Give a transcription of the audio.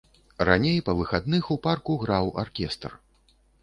Раней па выхадных у парку граў аркестр.